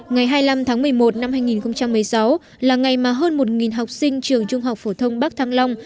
ngày hai mươi năm tháng một mươi một năm hai nghìn một mươi sáu là ngày mà hơn một học sinh trường trung học phổ thông bắc thăng long